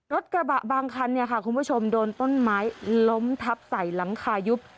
รถกระบะบางคันเนี่ยค่ะคุณผู้ชมโดนต้นไม้ล้มทับใส่หลังคายุบ